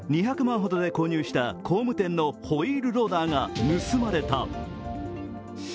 ２００万円ほどで購入した工務店のホイールローダーが盗まれた。